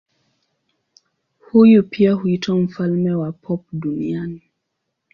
Huyu pia huitwa mfalme wa pop duniani.